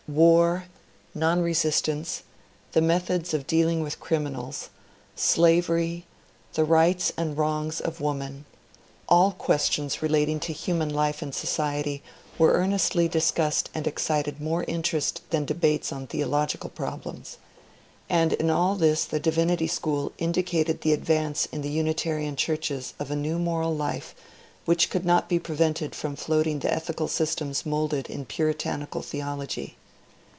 War, non resistance, the methods of dealing with criminals, slavery, the rights and wrongs of woman, all questions relating to human life and society, were earnestly discussed and excited more interest than debates on theological problems. And in all this the Divinity School indicated the advance in the Unitarian churches of a new moral life which could not be prevented from floating the ethical systems moulded in puritanical the ology.